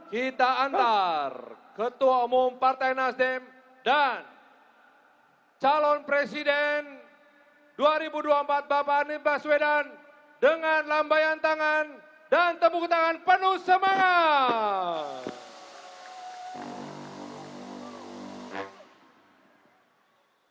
kita antar ketua umum partai nasdem dan calon presiden dua ribu dua puluh empat bapak anir baswedan dengan lambayan tangan dan tepuk tangan penuh semangat